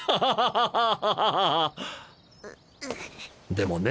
でもね